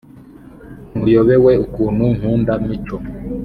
ntuyobewe ukuntu nkunda mico